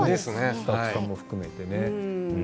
スタッフさんも含めてね。